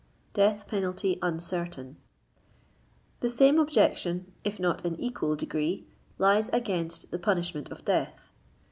DEATH PENALTY UNCERTAIN. The same objection, if not in equal degree, lies against the punishment of death.